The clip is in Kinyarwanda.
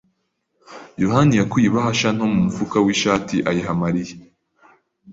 yohani yakuye ibahasha nto mu mufuka w'ishati ayiha Mariya.